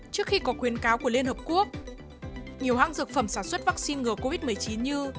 trước khi có khuyến cáo của liên hợp quốc nhiều hãng dược phẩm sản xuất vaccine ngừa covid một mươi chín như